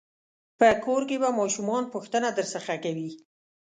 په کور کې به ماشومان پوښتنه درڅخه کوي.